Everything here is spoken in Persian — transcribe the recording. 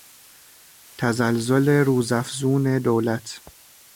تزلزل روزافزون دولت